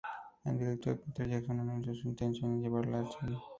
El director Peter Jackson anunció su intención de llevarla al cine.